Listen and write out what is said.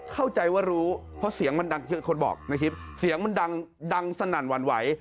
เข้าใจว่ารู้เพราะเสียงมันดังคือคนบอกในคลิปเสียงมันดังดังสนั่นหวั่นไหว